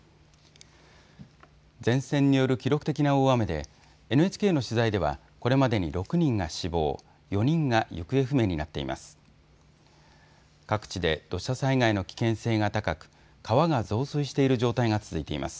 前線による記録的な大雨でＮＨＫの取材ではこれまでに６人が死亡、４人が行方不明になっています。